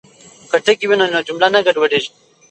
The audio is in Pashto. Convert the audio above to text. که ټکي وي نو جمله نه ګډوډیږي.